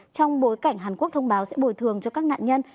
trong bối cảnh hàn quốc thông báo sẽ bồi thường cho các nạn nhân